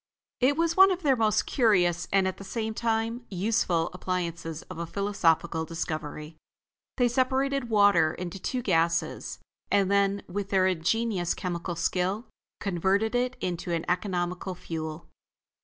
It was one of their most curious and, at the same time, useful appliances of a philosophical discovery. They separated water into its two gases, and then, with their ingenious chemical skill, converted it into an economical fuel.